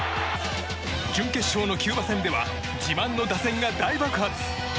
準決勝のキューバ戦では自慢の打線が大爆発。